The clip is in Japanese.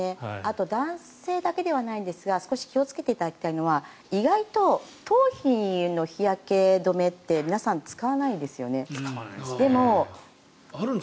男性だけではないんですが少し気をつけていただきたいのが意外と頭皮への日焼け止めって皆さん、使わないですよね。